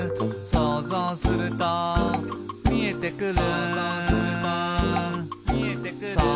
「そうぞうするとみえてくる」